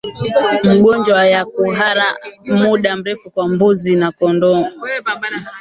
Mgonjwa ya kuhara muda mrefu kwa mbuzi na kondoo